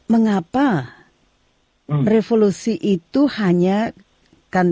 mengapa revolusi itu hanya